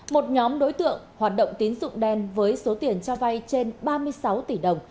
một nhóm đối tượng hoạt động tín dụng đen với số tiền cho vay trên ba mươi sáu tỷ đồng